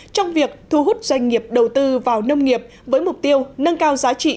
trong việc thu hút doanh nghiệp đầu tư vào nông nghiệp với mục tiêu nâng cao giá trị